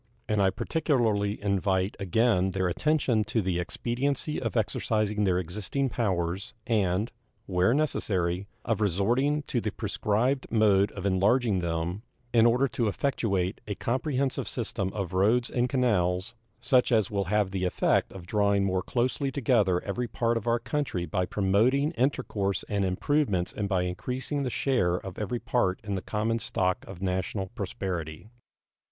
And I particularly invite again their attention to the expediency of exercising their existing powers, and, where necessary, of resorting to the prescribed mode of enlarging them, in order to effectuate a comprehensive system of roads and canals, such as will have the effect of drawing more closely together every part of our country by promoting intercourse and improvements and by increasing the share of every part in the common stock of national prosperity.